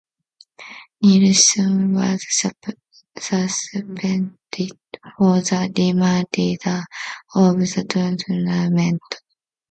Nilsson was suspended for the remainder of the tournament.